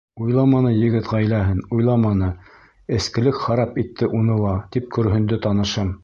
Уйламаны егет ғаиләһен, уйламаны — эскелек харап итте уны ла, — тип көрһөндө танышым.